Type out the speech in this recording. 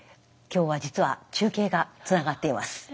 今日は実は中継がつながっています。